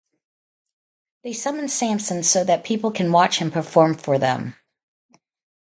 They summon Samson so that people can watch him perform for them.